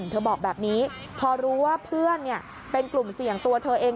เธอบอกแบบนี้พอรู้ว่าเพื่อนเป็นกลุ่มเสี่ยงตัวเธอเอง